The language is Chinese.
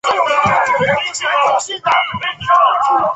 相传这棵树是菩提伽耶摩诃菩提树南枝衍生出来的。